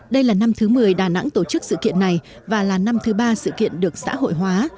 đây là năm thứ một mươi đà nẵng tổ chức sự kiện này và là năm thứ ba sự kiện được xã hội hóa